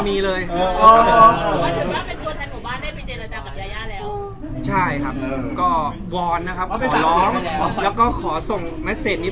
มีเบียบบุกจริงใช่ไหม